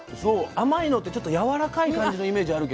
甘いのってちょっとやわらかい感じのイメージあるけど。